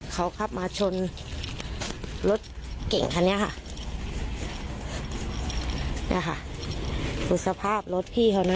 เขาขับมาชนรถเก๋งขนาดนี้ค่ะรุศภาพรถพี่เขานะ